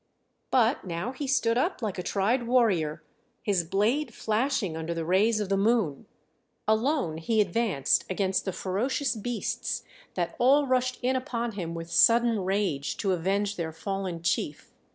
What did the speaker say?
But now he stood up like a tried warrior, his blade flashing under the rays of the moon; alone he advanced against the ferocious beasts that all rushed in upon him with sudden rage to avenge their fallen chief.